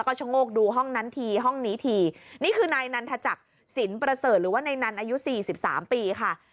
แล้วก็ชงกดูห้องนั้นทีห้องนี้ทีนี้คือในนั้นจะจากศิลหรือว่านายนั้นอายุ๔๓ปี